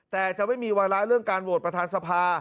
แต่จะไม่มีวาระเรื่องการโหวตประธานสภา